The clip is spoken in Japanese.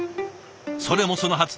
それもそのはず。